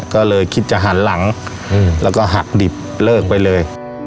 ก็เลยคิดจะหันหลังแล้วก็หักดิบเลิกไปเลย